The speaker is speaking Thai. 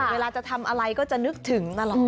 เวลาจะทำอะไรก็จะนึกถึงตลอด